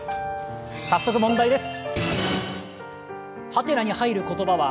早速問題です。